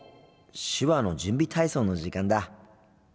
手話の準備体操の時間だ。